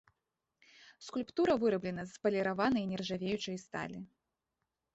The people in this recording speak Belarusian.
Скульптура выраблена з паліраванай нержавеючай сталі.